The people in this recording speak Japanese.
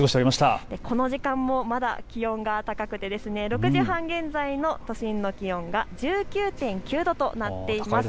この時間もまだ気温が高くて６時半現在の都心の気温が１９．９度となっています。